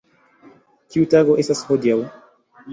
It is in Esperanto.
Kiu tago estas hodiaŭ?